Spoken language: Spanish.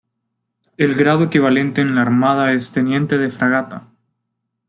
El grado equivalente en la Armada es teniente de fragata.